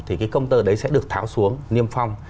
thì cái công tơ đấy sẽ được tháo xuống niêm phong